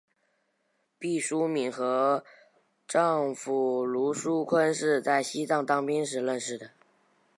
毕淑敏和丈夫芦书坤是在西藏当兵时认识的。